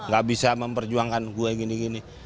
gak bisa memperjuangkan gue gini gini